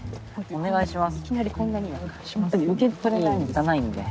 お願いします。